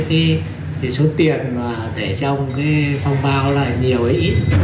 đối với cái số tiền mà để trong cái phòng bao là nhiều hay ít